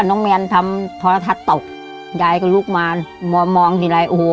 หลานก็ทำไม่ได้หลานก็ทำไม่ได้ต้องทำเลี้ยงคนเดียว